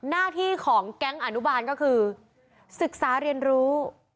หน้าที่ของแก๊งอนุบาลก็คือศึกษาเรียนรู้